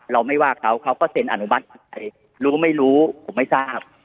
เราไม่ว่าเขาเขาก็เซ็นอนุมัติใครรู้ไม่รู้ผมไม่ทราบ